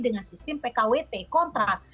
dengan sistem pkwt kontrak